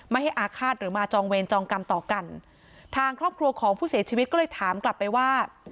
ไม่ให้อาฆาตหรือมาจองเวรจองกรรมต่อกันทางครอบครัวของผู้เสียชีวิตก็เลยถามกลับไปว่า